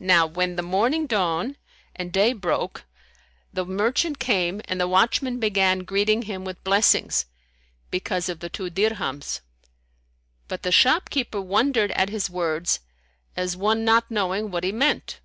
Now when the morning dawned and day broke the merchant came and the watchman began greeting him with blessings, because of the two dirhams; but the shop keeper wondered at his words as one not knowing what he meant.